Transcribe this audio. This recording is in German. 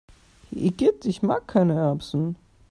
Igitt, ich mag keine Erbsen!